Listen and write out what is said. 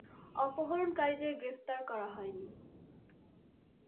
অপহরণকারীদের গ্রেফতার করা হয়নি।